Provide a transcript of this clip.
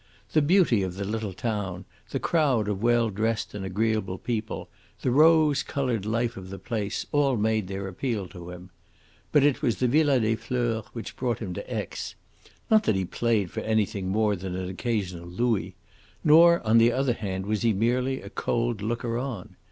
The beauty of the little town, the crowd of well dressed and agreeable people, the rose coloured life of the place, all made their appeal to him. But it was the Villa des Fleurs which brought him to Aix. Not that he played for anything more than an occasional louis; nor, on the other hand, was he merely a cold looker on.